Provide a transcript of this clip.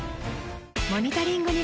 「モニタリング」に